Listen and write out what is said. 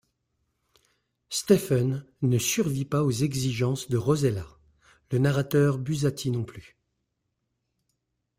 Stephen ne survit pas aux exigences de Rosella, le narrateur Buzzati non plus.